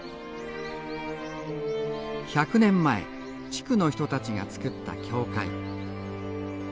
１００年前地区の人たちが造った教会。